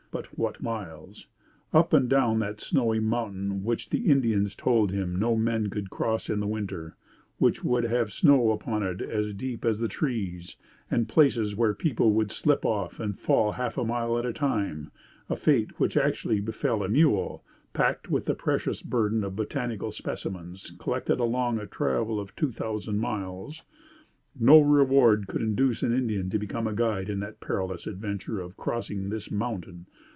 But what miles! up and down that snowy mountain which the Indians told him no men could cross in the winter which would have snow upon it as deep as the trees, and places where people would slip off and fall half a mile at a time a fate which actually befell a mule, packed with the precious burden of botanical specimens, collected along a travel of two thousand miles. No reward could induce an Indian to become a guide in the perilous adventure of crossing this mountain.